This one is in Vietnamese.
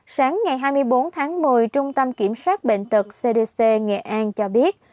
sáng ngày hai mươi bốn tháng một mươi trung tâm kiểm soát bệnh tật cdc nghệ an cho biết